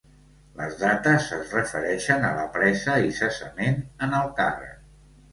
Les dates es refereixen a la presa i cessament en el càrrec.